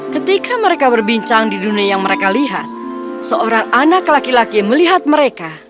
ketika mereka berbincang di dunia yang mereka lihat seorang anak laki laki melihat mereka